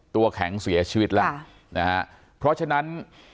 ตัวแข็งเสียชีวิตแล้วนะฮะเพราะฉะนั้น